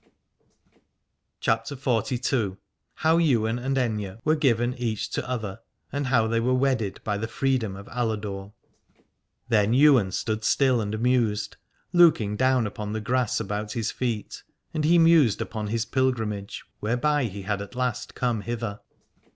262 CHAPTER XLII. HOW YWAIN AND AITHNE WERE GIVEN EACH TO OTHER, AND HOW THEY WERE WEDDED BY THE FREEDOM OF ALADORE. Then Ywain stood still and mused, looking down upon the grass about his feet : and he mused upon his pilgrimage whereby he had at last come hither.